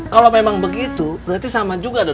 kalau memang begitu berarti sama juga dong